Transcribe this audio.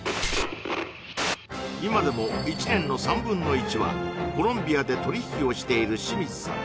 今でも１年の３分の１はコロンビアで取り引きをしている清水さん